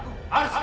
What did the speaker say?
tuhan yang imut